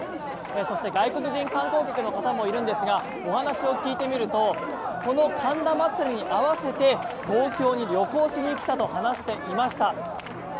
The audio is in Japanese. そして、外国人観光客の方もいるんですがお話を聞いてみるとこの神田祭に合わせて東京に旅行しに来たと話していました。